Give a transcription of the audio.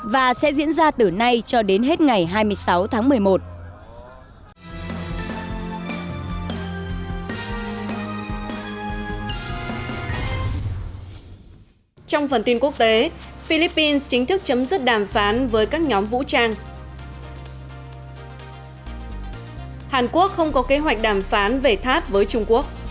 và sẽ diễn ra từ nay cho đến hết ngày hai mươi sáu tháng một mươi một